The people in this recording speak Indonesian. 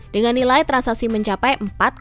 dengan nilai transaksi mencapai